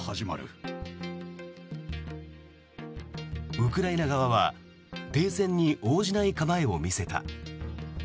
ウクライナ側は停戦に応じない構えを見せた。